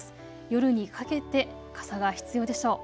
夜にかけて傘が必要でしょう。